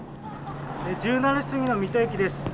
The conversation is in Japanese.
１７時過ぎの水戸駅です。